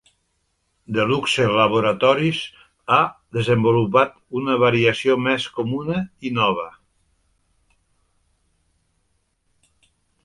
Deluxe Laboratories ha desenvolupat una variació més comuna i nova.